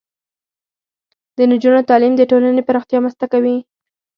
د نجونو تعلیم د ټولنې پراختیا مرسته کوي.